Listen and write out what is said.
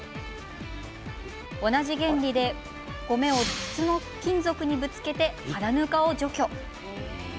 同じ原理で米を筒の金属にぶつけて肌ぬかを除去。